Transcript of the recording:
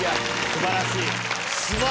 すばらしい。